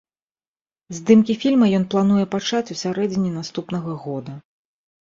Здымкі фільма ён плануе пачаць у сярэдзіне наступнага года.